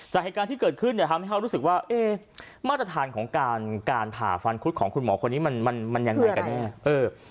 จากแห่งการที่เกิดขึ้นทำให้เขารู้สึกว่ามาตรฐานของการผ่าควันครุฑของคุณหมอคนนี้มันยังไงกันเนี่ย